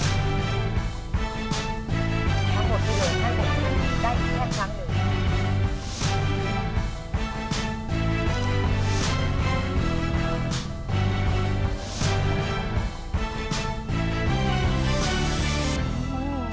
ทั้งหมดผลิตให้ผมได้อีกแค่ครั้งหนึ่ง